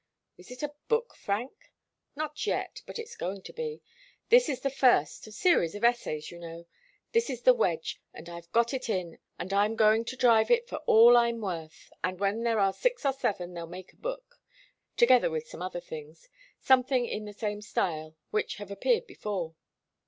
"Is it a book, Frank?" "Not yet. But it's going to be. This is the first a series of essays, you know this is the wedge, and I've got it in, and I'm going to drive it for all I'm worth, and when there are six or seven they'll make a book, together with some other things something in the same style which have appeared before."